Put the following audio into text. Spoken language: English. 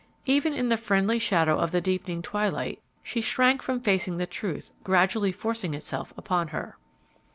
Even in the friendly shadow of the deepening twilight she shrank from facing the truth gradually forcing itself upon her.